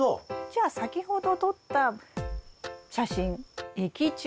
じゃあ先ほど撮った写真益虫